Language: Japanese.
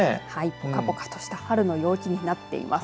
ぽかぽかとした春の陽気になっています。